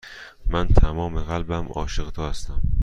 من تمام قلبم عاشق تو هستم.